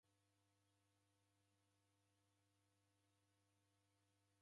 Choka radaka mbaghonyi